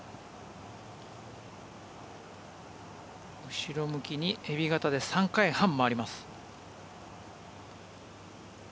後ろ向きにエビ型で３回半回ります。